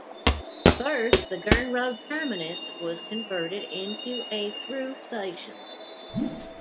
First, the Gernrode terminus was converted into a through station.